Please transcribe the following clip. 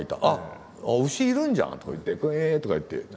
「あっ牛いるんじゃん」とか言って。